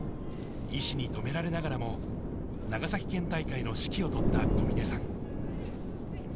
医師に止められながらも長崎県大会の指揮を執った小嶺さん。